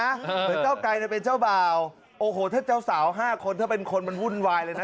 เหมือนเก้าไกลเป็นเจ้าบ่าวโอ้โหถ้าเจ้าสาวห้าคนถ้าเป็นคนมันวุ่นวายเลยนะ